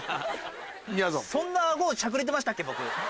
そんな顎しゃくれてましたっけ？